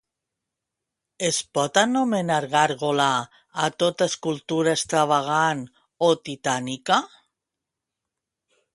Es pot anomenar gàrgola a tota escultura extravagant o titànica?